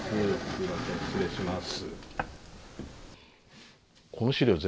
すみません失礼します。